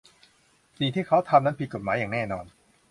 สิ่งที่เขาทำนั้นผิดกฎหมายอย่างแน่นอน